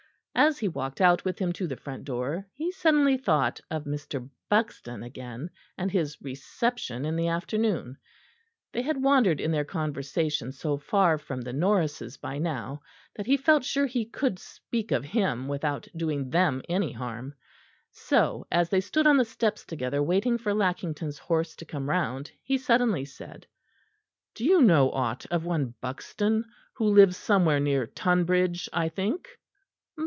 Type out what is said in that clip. As he walked out with him to the front door, he suddenly thought of Mr. Buxton again and his reception in the afternoon. They had wandered in their conversation so far from the Norrises by now that he felt sure he could speak of him without doing them any harm. So, as they stood on the steps together, waiting for Lackington's horse to come round, he suddenly said: "Do you know aught of one Buxton, who lives somewhere near Tonbridge, I think?"